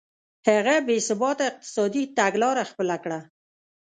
هغه بې ثباته اقتصادي تګلاره خپله کړه.